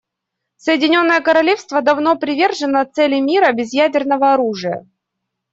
Соединенное Королевство давно привержено цели мира без ядерного оружия.